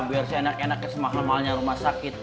biar se enak enak kesemak lemahnya rumah sakit